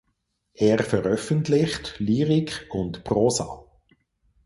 Er veröffentlicht Lyrik und Prosa.